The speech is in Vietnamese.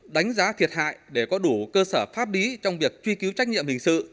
đánh giá thiệt hại để có đủ cơ sở pháp lý trong việc truy cứu trách nhiệm hình sự